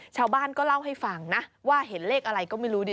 ชาวบ้านก็เล่าให้ฟังนะว่าเห็นเลขอะไรก็ไม่รู้ดิ